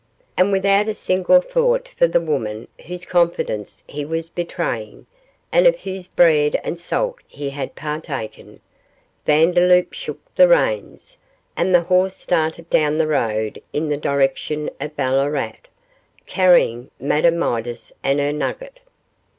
And without a single thought for the woman whose confidence he was betraying, and of whose bread and salt he had partaken, Vandeloup shook the reins, and the horse started down the road in the direction of Ballarat, carrying Madame Midas and her nugget.